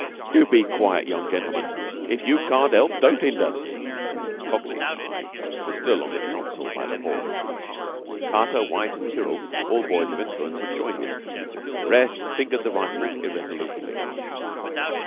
"You be quiet, young gentlemen. If you can't 'elp don't 'inder." Foxy's eye was still on the council by the horse. Carter, White, and Tyrrell, all boys of influence, had joined it. The rest fingered the rifles irresolutely.